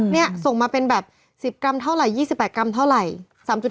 นี่ส่งมาเป็นแบบ๑๐กรัมเท่าไหร่๒๘กรัมเท่าไหร่